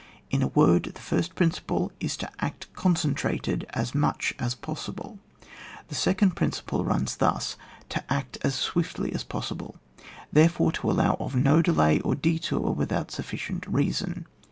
In a word, the first principle is, to act concentrated as much as poesihte. The second principle runs thus — to act 09 Hciftfy 0% poacihU ; therefore, to allow of no delay or detour without sufficient reason.